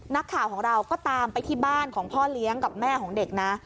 นักข่าวของเราก็ตามไปที่บ้านของพ่อเลี้ยงกับแม่ของเด็กนะ